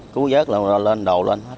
cứu giết rồi lên đổ lên